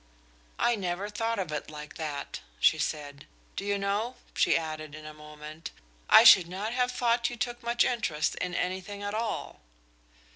"I never thought of it like that," she said. "Do you know?" she added in a moment, "I should not have thought you took much interest in anything at all."